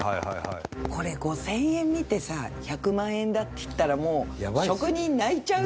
これ５０００円見てさ「１００万円だ」って言ったらもう職人泣いちゃうよ。